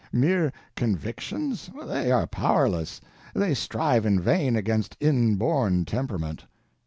Mere convictions? They are powerless. They strive in vain against inborn temperament.